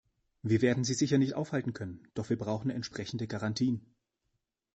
Wir werden sie sicher nicht aufhalten können, doch wir brauchen entsprechende Garantien.